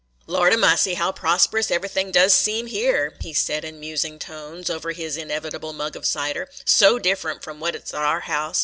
"Lordy massy, how prosperous everything does seem here!" he said, in musing tones, over his inevitable mug of cider; "so different from what 't is t' our house.